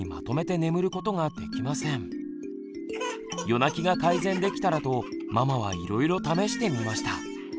夜泣きが改善できたらとママはいろいろ試してみました。